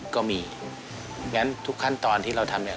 ก็มีงั้นทุกขั้นตอนที่เราทำเนี่ย